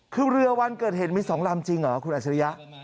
คือเรือวันเกิดเหตุมี๒ลำจริงเหรอคุณอัจฉริยะ